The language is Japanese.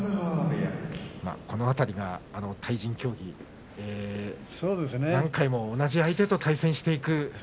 この辺りが対人競技何回も同じ相手と対戦していく。